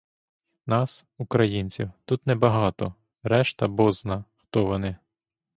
Нас, українців, тут небагато, решта — бозна, хто вони.